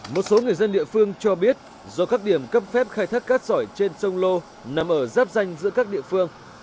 một số người dân địa phương cho biết do các điểm cấp phép khai thác cát sỏi trên sông lô nằm ở giáp danh giữa các địa phương